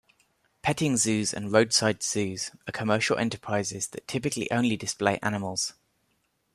Petting zoos and roadside zoos are commercial enterprises that typically only display animals.